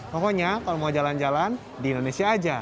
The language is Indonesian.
pokoknya kalau mau jalan jalan di indonesia aja